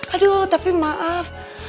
aduh tapi maaf